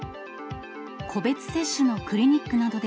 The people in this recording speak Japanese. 個別接種のクリニックなどで